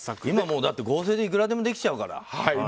今、だって合成でいくらでもできちゃうから。